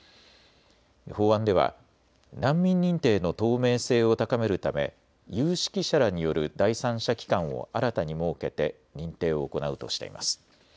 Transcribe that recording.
法案では難民認定の透明性を高めるため有識者らによる第三者機関を新たに設けて認定を行うとしています。